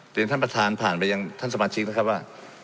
ท่านประธานผ่านไปยังท่านสมาชิกนะครับว่า